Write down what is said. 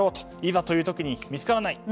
いざという時に見つからない。